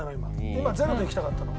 今０でいきたかったの？